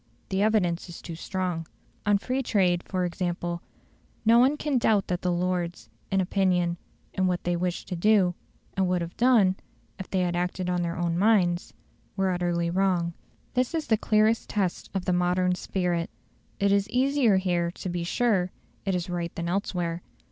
The evidence is too strong. On free trade, for example, no one can doubt that the Lords in opinion, in what they wished to do, and would have done, if they had acted on their own minds were utterly wrong. This is the clearest test of the "modern spirit". It is easier here to be sure it is right than elsewhere.